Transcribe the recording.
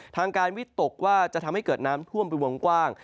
ทางการวิตกว่าจะทำให้เกิดน้ำท่วมเป็นวงกว้าง